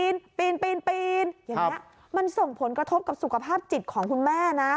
อย่างนี้มันส่งผลกระทบกับสุขภาพจิตของคุณแม่นะ